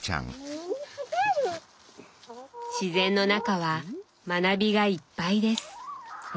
自然の中は学びがいっぱいです。